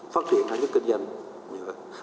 phát triển phản chức kinh doanh như vậy